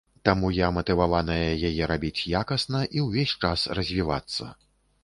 Таму я матываваная яе рабіць якасна і ўвесь час развівацца.